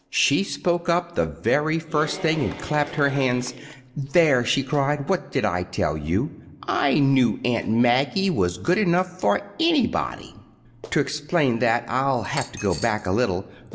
She spoke up the very first thing, and clapped her hands. "There," she cried. "What did I tell you? I knew Aunt Maggie was good enough for anybody!" To explain that I'll have to go back a little.